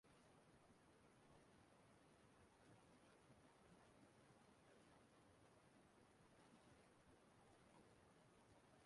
Ezinaụlọ dị iche iche na-atụ ụjọ na a ga-ebo ha ebubo ma kewaa.